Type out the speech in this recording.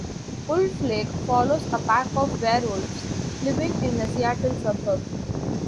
"Wolf Lake" follows a pack of werewolves living in a Seattle suburb.